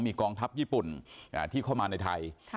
มีกองทัพญี่ปุ่นที่เข้ามาในไทย